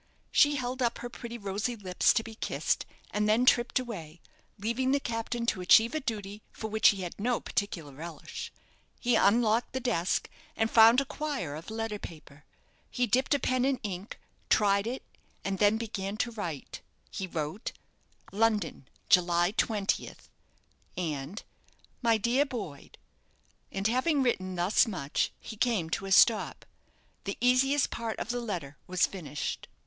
She held up her pretty rosy lips to be kissed, and then tripped away, leaving the captain to achieve a duty for which he had no particular relish. He unlocked the desk, and found a quire of letter paper. He dipped a pen in ink, tried it, and then began to write. He wrote, "London, July 20th," and "My Dear Boyd;" and having written thus much, he came to a stop. The easiest part of the letter was finished.